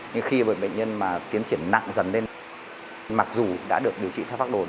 nhưng khi bệnh nhân mà tiến triển nặng dần lên mặc dù đã được điều trị theo pháp đồ